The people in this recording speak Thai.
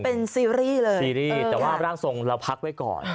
เป็นซีรีส์เลยซีรีส์แต่ว่าร่างทรงเราพักไว้ก่อน